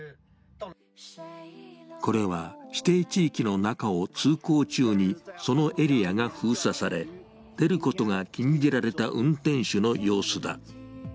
これは、指定地域の中を通行中にそのエリアが封鎖され、出ることが禁じられた運転手の様子だ。